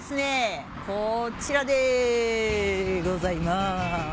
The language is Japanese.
こちらでございます。